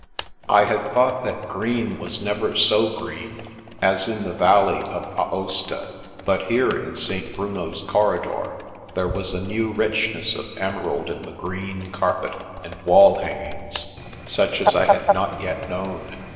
I had thought that green was never so green as in the Valley of Aosta, but here in St. Bruno's corridor there was a new richness of emerald in the green carpet and wall hangings, such as I had not yet known.